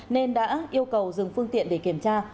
nên đã yêu cầu dừng phương tiện để kiểm tra